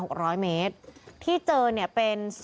และก็คือว่าถึงแม้วันนี้จะพบรอยเท้าเสียแป้งจริงไหม